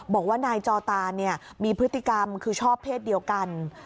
บอกว่านายจอตานมีพฤติกรรมคือชอบเพศเดียวกัน